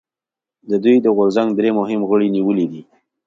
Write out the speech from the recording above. د دوی د غورځنګ درې مهم غړي نیولي دي